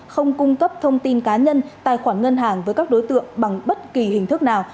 không cung cấp thông tin cá nhân tài khoản ngân hàng với các đối tượng bằng bất kỳ hình thức nào